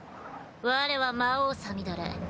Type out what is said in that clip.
我は魔王さみだれ。